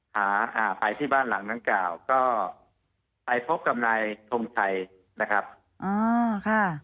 อ่าไปที่บ้านหลังดังกล่าวก็ไปพบกับนายทงชัยนะครับอ่าค่ะ